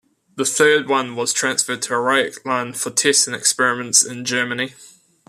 The third one was transferred to Rechlin for tests and experiments in Germany.